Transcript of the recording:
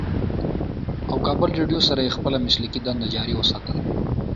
او کابل رېډيو سره ئې خپله مسلکي دنده جاري اوساتله